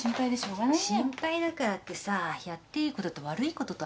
心配だからってさやっていいことと悪いこととあるでしょ。